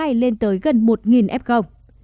hay lên tới gần một f